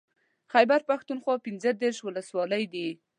د خېبر پښتونخوا پنځه دېرش ولسوالۍ دي